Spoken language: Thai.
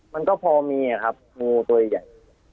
มันก็พอมีครับงูตัวใหญ่